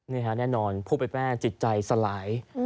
นี่ค่ะแน่นอนพวกไบ้แม่จิตใจสลาย